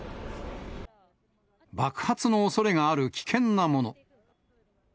爆発のおそれがある危険なもの。